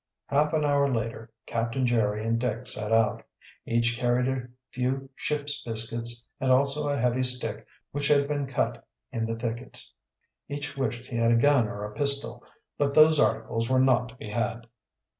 Half an hour later Captain Jerry and Dick set out. Each carried a few ship's biscuits and also a heavy stick which had been cut in the thickets. Each wished he had a gun or a pistol, but those articles were not to be had.